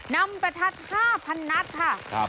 นำประทัด๕๐๐๐นัดค่ะ